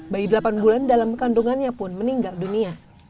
bayi delapan bulan dalam kandungannya pun meninggal dunia